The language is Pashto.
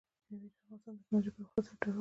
مېوې د افغانستان د تکنالوژۍ پرمختګ سره تړاو لري.